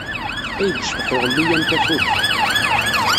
Ay yecbeḥ uɣelluy-a n tafukt.